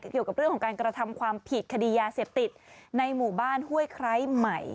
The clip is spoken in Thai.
เกี่ยวกับเรื่องของการกระทำความผิดคดียาเสพติดในหมู่บ้านห้วยไคร้ใหม่